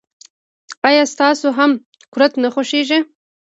آیا تاسو هم کورت نه خوښیږي.